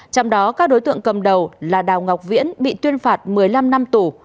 trong đó các đối tượng cầm đầu là đào ngọc viễn bị tuyên phạt một mươi năm năm tù